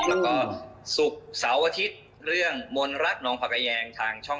แล้วก็ศุกร์เสาร์อาทิตย์เรื่องมนรักน้องผักแยงทางช่อง